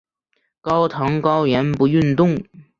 高糖高盐不运动